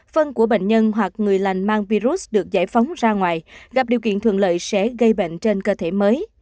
phân của bệnh nhân hoặc người lành mang virus được giải phóng ra ngoài gặp điều kiện thuận lợi sẽ gây bệnh trên cơ thể mới